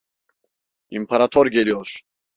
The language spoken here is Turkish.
İmparator geliyor…